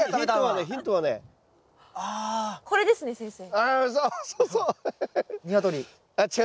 あそうそうそう！